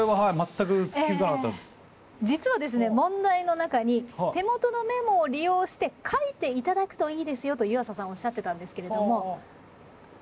実はですね問題の中に「手元のメモを利用して書いていただくといいですよ」と湯浅さんおっしゃってたんですけれども。